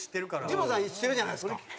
ジモンさん知ってるじゃないですか。